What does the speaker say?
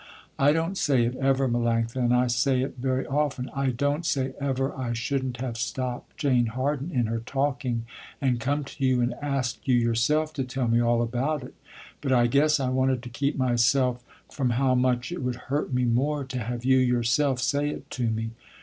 I don't say it ever, Melanctha, and I say it very often, I don't say ever I shouldn't have stopped Jane Harden in her talking and come to you and asked you yourself to tell me all about it, but I guess I wanted to keep myself from how much it would hurt me more, to have you yourself say it to me.